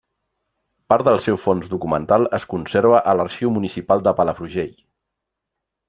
Part del seu fons documental es conserva a l'Arxiu Municipal de Palafrugell.